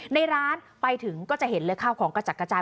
ในร้านไปถึงก็จะเห็นเลยข้าวของกระจัดกระจาย